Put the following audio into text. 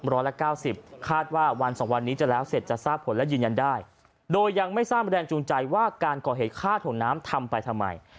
ร้อยละเก้าสิบคาดว่าวันสองวันนี้จะแล้วเสร็จจะทราบผลและยืนยันได้โดยยังไม่ทราบแรงจูงใจว่าการก่อเหตุฆ่าถ่วงน้ำทำไปทำไม